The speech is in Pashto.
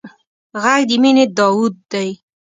غږ د مینې داوود دی